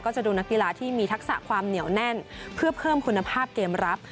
จะดูนักกีฬาที่มีทักษะความเหนียวแน่นเพื่อเพิ่มคุณภาพเกมรับ